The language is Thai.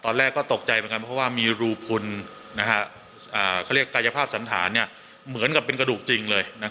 ตอนแรกก็ตกใจเหมือนกันเพราะว่ามีรูพลเขาเรียกกายภาพสันฐานเหมือนกับเป็นกระดูกจริงเลย